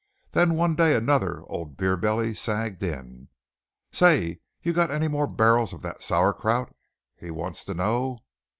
Then one day another old beer belly sagged in. 'Say, you got any more barrels of dot sauerkraut?' he wants to know.